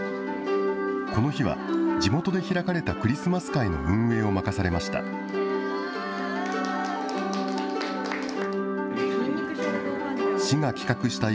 この日は、地元で開かれたクリスマス会の運営を任されました。